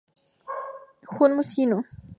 Jun Mizuno